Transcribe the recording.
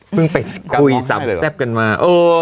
เพิ่งไปคุยซ้ำแซ่บกันมา